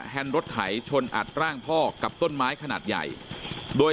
แห่งรถไถชนอัดข้างพอกับต้นไม้ขนาดใหญ่